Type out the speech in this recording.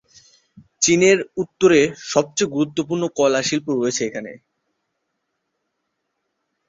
চীনের উত্তরে সবচেয়ে গুরুত্বপূর্ণ কয়লা শিল্প রয়েছে এখানে।